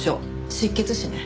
失血死ね。